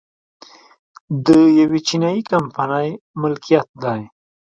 د یوې چینايي کمپنۍ ملکیت دی